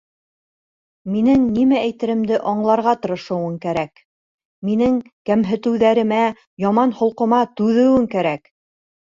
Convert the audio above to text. Минең нимә әйтеремде аңларға тырышыуың кәрәк, минең кәмһетеүҙәремә, яман холҡома түҙеүең кәрәк.